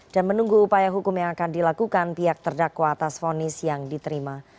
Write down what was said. dan menunggu upaya hukum yang akan dilakukan pihak terdakwa atas fonis yang diterima